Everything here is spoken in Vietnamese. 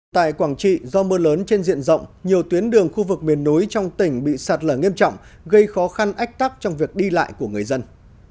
tại quảng trị do mưa lớn trên diện rộng nhiều tuyến đường khu vực miền núi trong tỉnh bị sạt lở nghiêm trọng gây khó khăn ách tắc trong việc đi lại của người dân